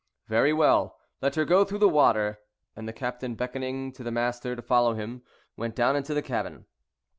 "Very well; let her go through the water;" and the captain, beckoning to the master to follow him, went down into the cabin.